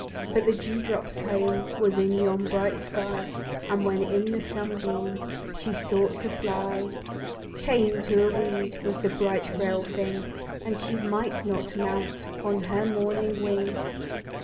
But the dew drop's home Was in yon bright sky, And when in the sunbeam She sought to fly, Chain'd to a weed W as the bright frail thing, And she might not mount On her morning wing.